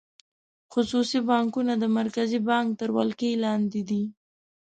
خصوصي بانکونه د مرکزي بانک تر ولکې لاندې دي.